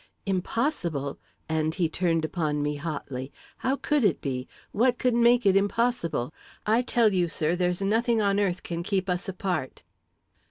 "Impossible!" and he turned upon me hotly. "How could it be? What could make it impossible? I tell you, sir, there's nothing on earth can keep us apart."